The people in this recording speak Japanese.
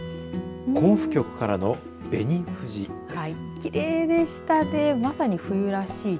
甲府局からの紅富士です。